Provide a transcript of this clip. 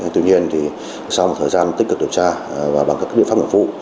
tuy nhiên thì sau một thời gian tích cực điều tra và bằng các biện pháp mở phụ